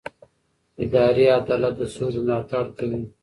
اداري عدالت د سولې ملاتړ کوي